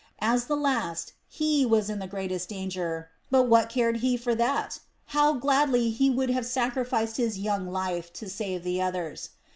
As the last, he was in the greatest danger; but what cared he for that? How gladly he would have sacrificed his young life to save the others.